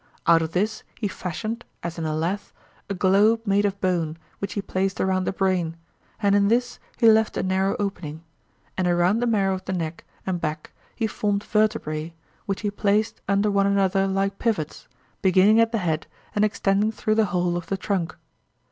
Out of this he fashioned, as in a lathe, a globe made of bone, which he placed around the brain, and in this he left a narrow opening; and around the marrow of the neck and back he formed vertebrae which he placed under one another like pivots, beginning at the head and extending through the whole of the trunk.